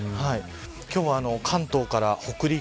今日は関東から北陸